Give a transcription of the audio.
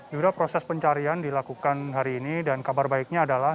yuda proses pencarian dilakukan hari ini dan kabar baiknya adalah